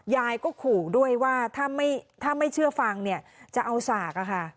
ยายก็ขู่ด้วยว่าถ้าไม่เชื่อฟังเนี่ยจะเอาสาก